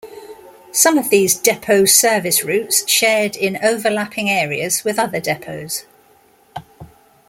Some of these depots service routes shared in overlapping areas with other depots.